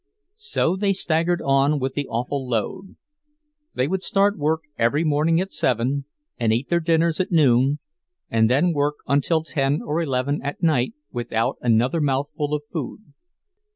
So they staggered on with the awful load. They would start work every morning at seven, and eat their dinners at noon, and then work until ten or eleven at night without another mouthful of food.